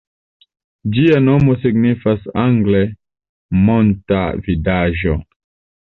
Ĝia nomo signifas angle "monta vidaĵo".